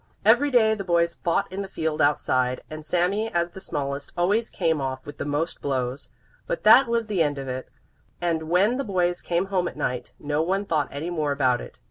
Every day the boys fought in the field outside, and Sami, as the smallest, always came off with the most blows. But that was the end of it, and when the boys came home at night no one thought any more about it.